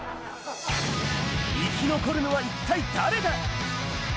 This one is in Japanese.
生き残るのは一体誰だ？